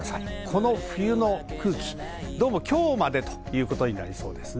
この冬の空気は今日までということになりそうです。